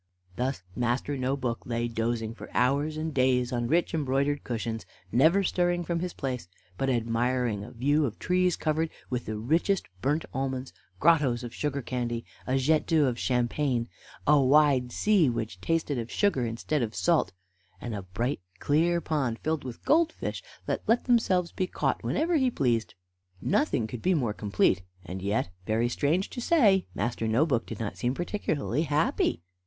Thus Master No book lay dozing for hours and days on rich embroidered cushions, never stirring from his place, but admiring the view of trees covered with the richest burnt almonds, grottoes of sugar candy, a jet d'eau of champagne, a wide sea which tasted of sugar instead of salt, and a bright, clear pond, filled with gold fish that let themselves be caught whenever he pleased. Nothing could be more complete, and yet, very strange to say, Master No book did not seem particularly happy.